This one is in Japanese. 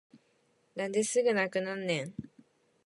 なんですぐなくなるねん